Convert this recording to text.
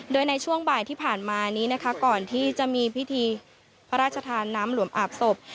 โดยในช่วงบ่ายที่ผ่านมานี้นะคะก่อนที่จะมีพิธีพระราชทานน้ำหลวงอาบศพ